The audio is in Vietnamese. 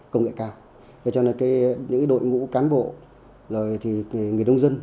công nghệ cao cho nên những đội ngũ cán bộ người nông dân